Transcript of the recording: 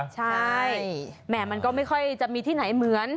ใช่แหม่มันก็ไม่ค่อยจะมีที่ไหนเหมือน